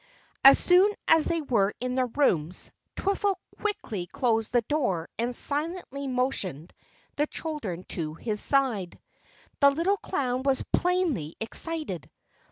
As soon as they were in their rooms, Twiffle quickly closed the door and silently motioned the children to his side. The little clown was plainly excited.